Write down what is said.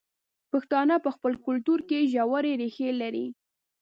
پښتانه په خپل کلتور کې ژورې ریښې لري.